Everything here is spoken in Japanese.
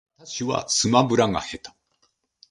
私はスマブラが下手